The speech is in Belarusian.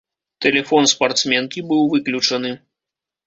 Тэлефон спартсменкі быў выключаны.